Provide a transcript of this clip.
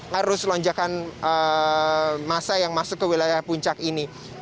harus lonjakan masa yang masuk ke wilayah puncak ini